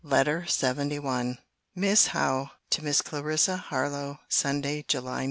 LETTER LXXI MISS HOWE, TO MISS CLARISSA HARLOWE SUNDAY, JULY 9.